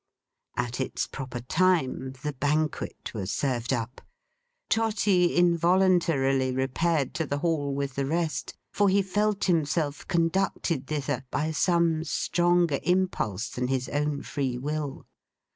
At its proper time, the Banquet was served up. Trotty involuntarily repaired to the Hall with the rest, for he felt himself conducted thither by some stronger impulse than his own free will.